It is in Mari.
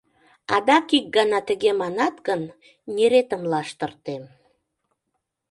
Адак ик гана тыге манат гын, неретым лаштыртем...